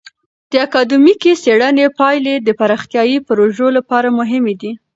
د اکادمیکې څیړنې پایلې د پراختیایي پروژو لپاره مهمې دي.